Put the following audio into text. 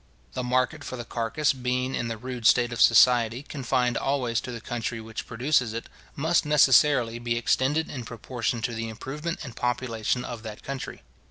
The market for the carcase being in the rude state of society confined always to the country which produces it, must necessarily be extended in proportion to the improvement and population of that country.